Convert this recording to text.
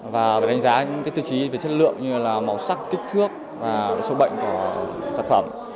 và đánh giá tư chí về chất lượng như màu sắc kích thước và số bệnh của sản phẩm